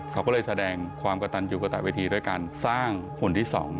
เขาก็เลยแสดงความกระตันอยู่กระตะเวทีด้วยการสร้างหุ่นที่๒